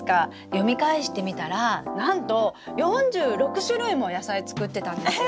読み返してみたらなんと４６種類も野菜作ってたんですよ！